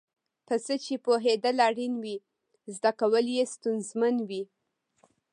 په څه چې پوهېدل اړین وي زده کول یې ستونزمن وي.